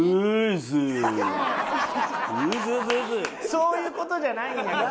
そういう事じゃないんやけどな。